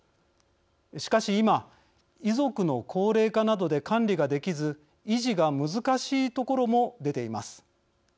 しかし今、遺族の高齢化などで管理ができず維持が難しい所も出ています。